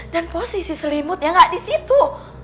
dan posisi selimutnya gak disitu